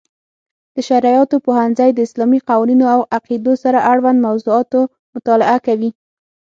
د شرعیاتو پوهنځی د اسلامي قوانینو او عقیدو سره اړوند موضوعاتو مطالعه کوي.